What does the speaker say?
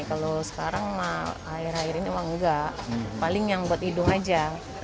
kalau sekarang mah air air ini emang enggak paling yang buat hidung aja